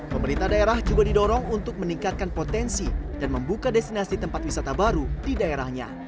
pemerintah daerah juga didorong untuk meningkatkan potensi dan membuka destinasi tempat wisata baru di daerahnya